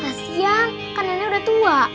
kasian karena dia udah tua